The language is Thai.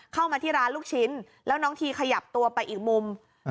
เข้ามาที่ร้านลูกชิ้นแล้วน้องทีขยับตัวไปอีกมุม